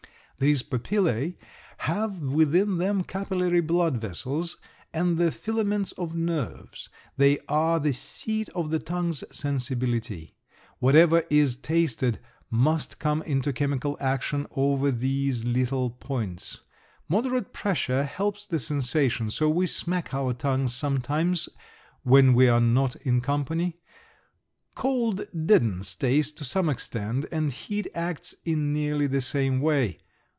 These papillæ have within them capillary blood vessels and the filaments of nerves. They are the seat of the tongue's sensibility. Whatever is tasted must come into chemical action over these little points. Moderate pressure helps the sensation, so we smack our tongues sometimes when we are not in company. Cold deadens taste to some extent and heat acts in nearly the same way.